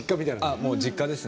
もう実家ですね。